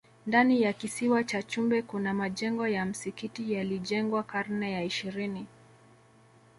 ndani ya kisiwa cha chumbe kuna majengo ya msikiti yalijengwa karne ya ishirini